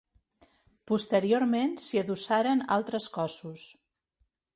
Posteriorment s'hi adossaren altres cossos.